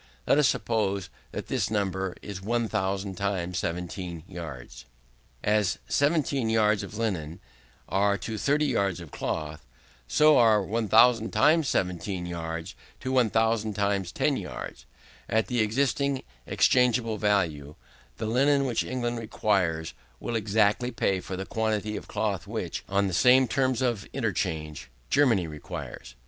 Let us suppose that this number is 1000 times 17 yards. As 17 yards of linen are to 30 yards of cloth, so are 1000 times 17 yards to 1000 times 10 yards. At the existing exchangeable value, the linen which England requires, will exactly pay for the quantity of cloth which, on the same terms of interchange, Germany requires.